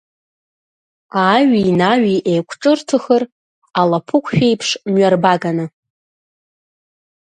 Ааҩи Наҩи еиқәҿырҭыхыр алаԥықәшәеиԥш мҩарбаганы.